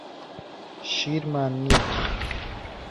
شیرمان نییە.